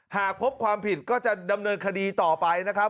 หากพบความผิดก็จะดำเนินคดีต่อไปนะครับ